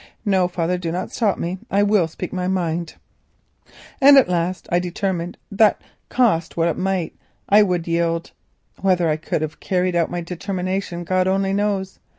No, father, do not stop me, I will speak my mind! "And at last I determined that cost what it might I would yield. Whether I could have carried out my determination God only knows.